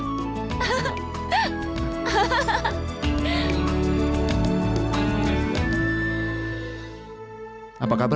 kangen gue sama lu jok